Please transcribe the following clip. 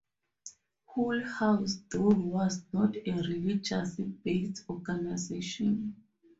Hull House, though, was not a religious based organization.